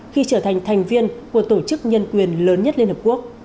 khi trở thành thành viên của tổ chức nhân quyền lớn nhất liên hợp quốc